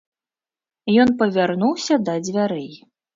Ён павярнуўся да дзвярэй.